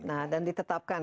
nah dan ditetapkan